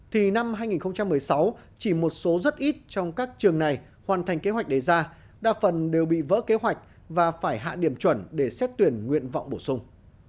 thì năm hai nghìn một mươi sáu chỉ một số rất ít trong các trường này hoàn thành kế hoạch đề ra đa phần đều bị vỡ kế hoạch và phải hạ điểm chuẩn để xét tuyển nguyện vọng bổ sung